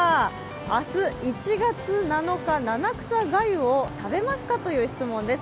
明日、１月７日、七草がゆを食べますかという質問です。